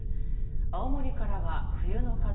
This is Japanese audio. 青森からは冬の課題